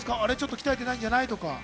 鍛えてないんじゃない？とか。